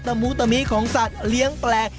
มูตะมิของสัตว์เลี้ยงแปลก